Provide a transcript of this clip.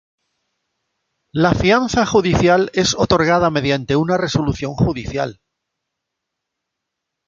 La fianza judicial es otorgada mediante una resolución judicial.